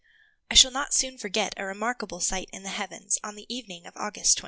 I shall not soon forget a remarkable sight in the heavens on the evening of August 26.